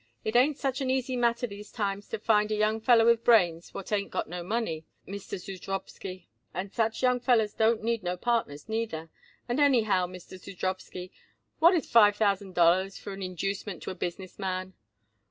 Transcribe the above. "It ain't such an easy matter these times to find a young feller with brains what ain't got no money, Mr. Zudrowsky, and such young fellers don't need no partners neither. And, anyhow, Mr. Zudrowsky, what is five thousand dollars for an inducement to a business man?